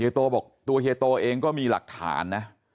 โตบอกตัวเฮียโตเองก็มีหลักฐานนะ